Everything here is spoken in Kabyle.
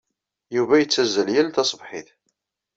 Yuba yettazzal yal taṣebḥit.